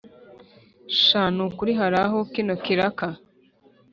sha nukuri harabaho kino kiraka